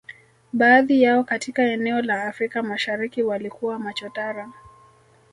Baadhi yao katika eneo la Afrika Mashariki walikuwa machotara